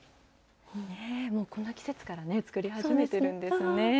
もうこんな季節から作り始めてるんですね。